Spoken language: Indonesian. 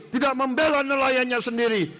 tidak membela nelayannya sendiri